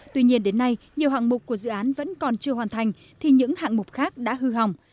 tuy nhiên đến nay nhiều hạng mục của dự án vẫn còn chưa hoàn thành thì những hạng mục khác đã hư hỏng